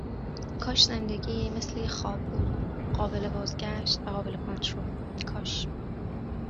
کاش زندگی مثل یه خواب بود قابل بازگشت و قابل کنترل. کاش